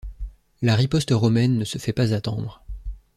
La riposte romaine ne se fait pas attendre.